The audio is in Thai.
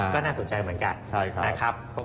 ก็น่าสนใจเหมือนกัน